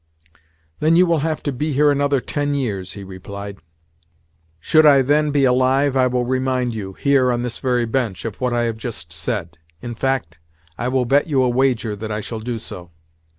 "Then you will have to be here another ten years," he replied. "Should I then be alive, I will remind you—here, on this very bench—of what I have just said. In fact, I will bet you a wager that I shall do so."